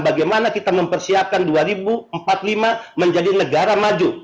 bagaimana kita mempersiapkan dua ribu empat puluh lima menjadi negara maju